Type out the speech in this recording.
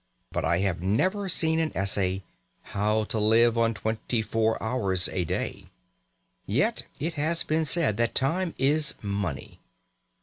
But I have never seen an essay, "How to live on twenty four hours a day." Yet it has been said that time is money.